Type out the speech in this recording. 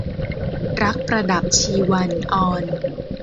รักประดับชีวัน - อร